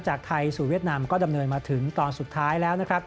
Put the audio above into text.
จากไทยสู่เวียดนามก็ดำเนินมาถึงตอนสุดท้ายแล้วนะครับ